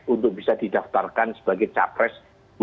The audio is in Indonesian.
untuk bisa didaftarkan sebagai cawapres